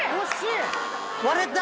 割れた。